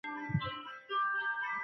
د سرطان د تشخیص وخت باید کم شي.